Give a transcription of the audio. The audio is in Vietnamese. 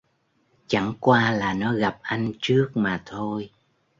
Chẳng qua là nó gặp anh trước mà thôi